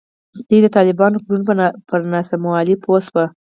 دوی د طالبانو کړنو پر ناسموالي پوه شوي.